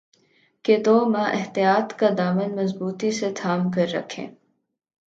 کہ دو ماہ احتیاط کا دامن مضبوطی سے تھام کررکھیں